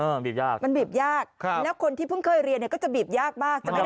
มันบีบยากใช่ไหมมันบีบยากแล้วคนที่เพิ่งเคยเรียนก็จะบีบยากมากจะไม่ได้ส่งเลย